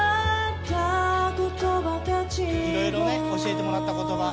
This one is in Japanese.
いろいろね教えてもらった言葉。